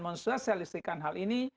mensosialisikan hal ini